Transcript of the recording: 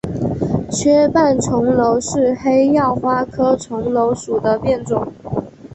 缺瓣重楼是黑药花科重楼属的变种。